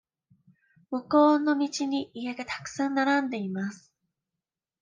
向こうの道に家がたくさん並んでいます。